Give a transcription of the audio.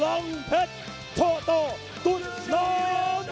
และวันงานเมื่อร้านสวัสดิ์